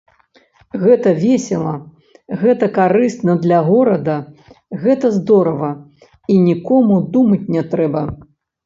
Гэта весела, гэта карысна для горада, гэта здорава, і нікому думаць не трэба.